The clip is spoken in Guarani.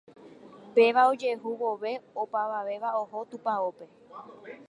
Péva ojehu vove opavavéva oho tupãópe